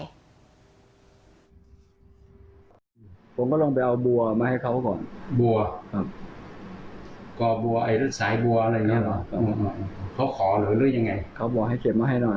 ไม่ได้บีบมันแค่คำเฉย